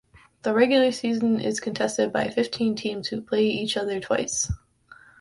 The regular season is contested by fifteen teams who play each other twice.